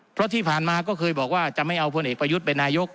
เพราะที่ผ่านมาก็เคยบอกว่าจะไม่เอาพลเอกประยุทธ์เป็นนายก